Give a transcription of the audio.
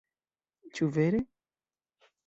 Ĉu vere?!